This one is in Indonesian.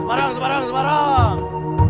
semarang semarang semarang